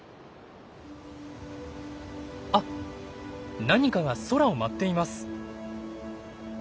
あっ何かが空を舞っています。